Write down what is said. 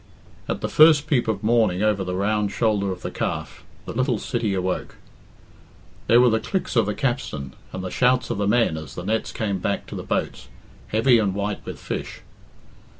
At the first peep of morning over the round shoulder of the Calf, the little city awoke. There were the clicks of the capstan, and the shouts of the men as the nets came back to the boats, heavy and white with fish.